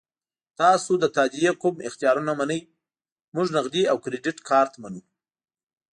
تاسو د تادیې کوم اختیارونه منئ؟ موږ نغدي او کریډیټ کارت منو.